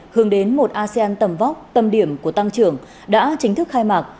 hướng đến một asean tầm vóc tầm điểm của tăng trưởng đã chính thức khai mạc